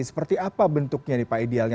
seperti apa bentuknya nih pak idealnya